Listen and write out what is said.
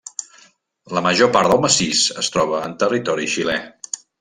La major part del massís es troba en territori xilè.